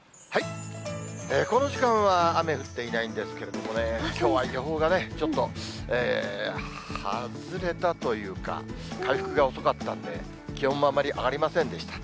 この時間は雨降っていないんですけれどもね、きょうは予報がね、ちょっと外れたというか、回復が遅かったんで、気温もあんまり上がりませんでした。